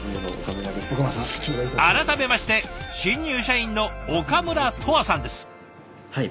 改めまして新入社員の岡村斗亜さんです。